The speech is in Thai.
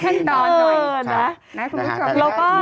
ในภาพนิ่งน่ะนี่แค่ตอนน้อยใช่นะภาพนิจรรย์